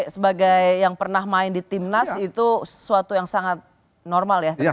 sebagai yang pernah main di timnas itu sesuatu yang sangat normal ya